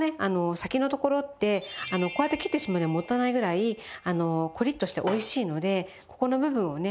先のところってこうやって切ってしまうにはもったいないぐらいコリッとしておいしいのでここの部分をね